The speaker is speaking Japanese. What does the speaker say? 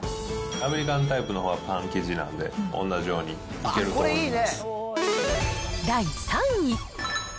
アメリカンタイプのほうはパン生地なんで、同じようにいける第３位。